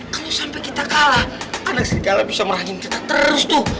kalau sampai kita kalah anak segala bisa merangin kita terus tuh